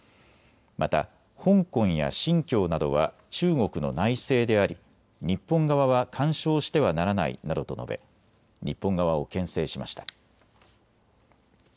また香港や新疆などは中国の内政であり日本側は干渉してはならないなどと述べ、日本側をけん制しました。